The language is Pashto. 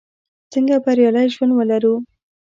څنګه بریالی ژوند ولرو?